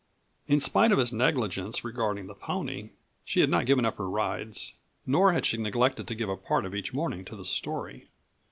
In spite of his negligence regarding the pony, she had not given up her rides. Nor had she neglected to give a part of each morning to the story.